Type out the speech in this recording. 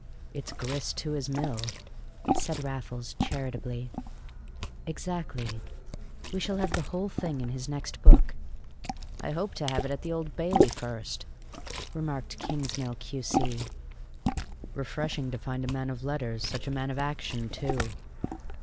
"It's grist to his mill," said Raffles charitably. "Exactly! We shall have the whole thing in his next book." "I hope to have it at the Old Bailey first," remarked Kingsmill, Q.C. "Refreshing to find a man of letters such a man of action too!"